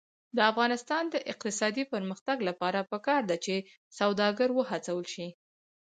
د افغانستان د اقتصادي پرمختګ لپاره پکار ده چې سوداګر وهڅول شي.